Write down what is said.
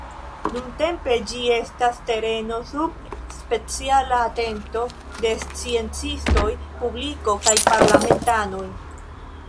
Nuntempe ĝi estas tereno sub speciala atento de sciencistoj, publiko kaj parlamentanoj.